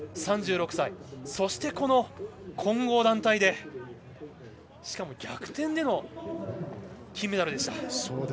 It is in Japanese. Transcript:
３６歳、そしてこの混合団体でしかも逆転での金メダルでした。